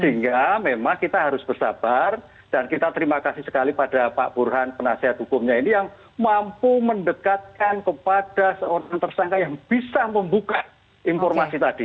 sehingga memang kita harus bersabar dan kita terima kasih sekali pada pak burhan penasihat hukumnya ini yang mampu mendekatkan kepada seorang tersangka yang bisa membuka informasi tadi